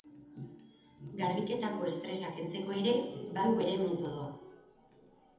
Garbiketako estresa kentzeko ere, badu bere metodoa.